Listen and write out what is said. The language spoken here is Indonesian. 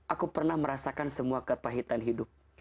aku pernah merasakan semua kepahitan hidup